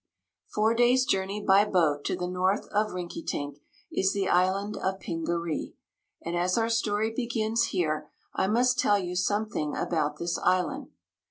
Four days' journey by boat to the north of Rinkitink is the Island of Pingaree, and as our story begins here I must tell you something about this island.